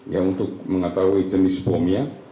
ya untuk mengetahui jenis bomnya